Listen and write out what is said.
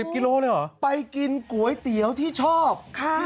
๑๐กิโลเลยหรอ